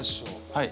はい。